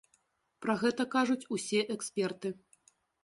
Пра гэта кажуць усе эксперты.